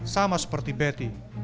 sama seperti betty